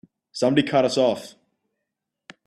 Somebody cut us off!